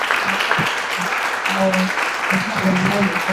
Serikali itahakikisha kwamba kila senti inayoongezeka inatumika vyema